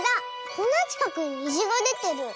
こんなちかくににじがでてる。